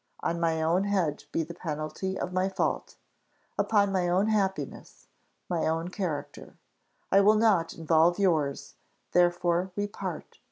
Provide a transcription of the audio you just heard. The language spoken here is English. On my own head be the penalty of my fault upon my own happiness my own character: I will not involve yours therefore we part.